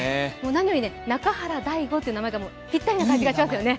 何より、中原大吾という名前がピッタリな感じしますよね。